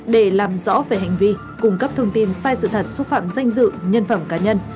để làm rõ về hành vi cung cấp thông tin sai sự thật xúc phạm danh dự nhân phẩm cá nhân